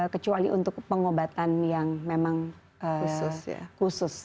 kecuali untuk pengobatan yang memang khusus